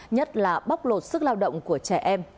nhất là bóc lột sức lao động của trẻ em